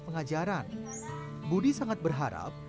pengajaran budi sangat berharap